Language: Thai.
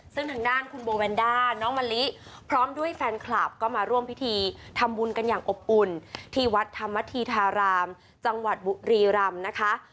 ซึ่งทางด้านคุณโบแวนด้าน้องมะลิพร้อมด้วยแฟนคลับก็มาร่วมพิธีทำบุญกันอย่างอบอุ่นที่วัดธรรมธีธารามจังหวัดบุรีรำนะคะ